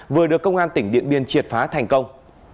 vừa được công an tỉnh điện biên triệt phá thành công